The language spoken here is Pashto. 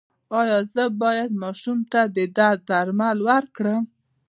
ایا زه باید ماشوم ته د درد درمل ورکړم؟